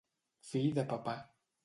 Fill de papà.